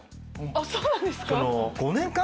あっそうなんですか？